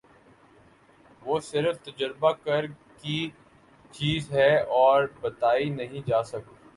وہ صرف تجربہ کر کی چیز ہے اور بتائی نہیں جاسک